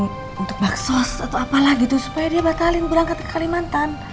untuk baksos atau apalah gitu supaya dia batalin berangkat ke kalimantan